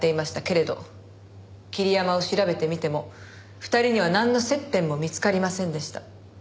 けれど桐山を調べてみても２人にはなんの接点も見つかりませんでした。